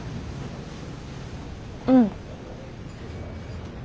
うん。